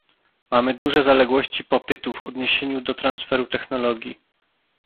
Mamy duże zaległości popytu w odniesieniu do transferu technologii